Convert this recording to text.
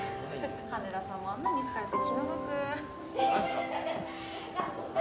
・羽田さんもあんなんに好かれて気の毒